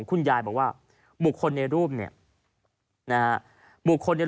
ให้นายศิลาค์ชาติรู้แล้วว่าสุดท้าย